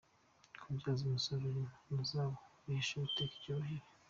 kubyaza umusaruro impano zabo bahesha Uwiteka icyubahiro.